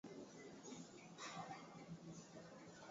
magugu hukaribisha wadudu wanashambulia viazi